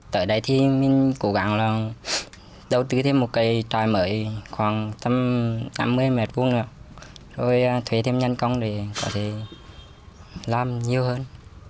tầm tám mươi m hai nữa rồi thuê thêm nhân công để có thể làm nhiều hơn